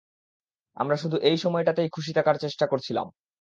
আমরা শুধু এই সময়টাতে খুশী থাকার চেষ্টা করছিলাম।